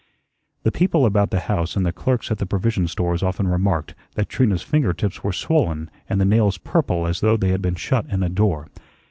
The people about the house and the clerks at the provision stores often remarked that Trina's fingertips were swollen and the nails purple as though they had been shut in a door.